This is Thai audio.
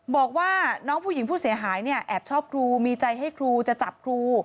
บอกว่าน้องผู้หญิงผู้เสียหายเนี่ยแอบชอบครูมีใจให้ครูจะจับครู